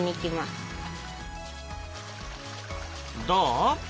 どう？